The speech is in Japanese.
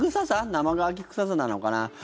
生乾き臭さなのかな？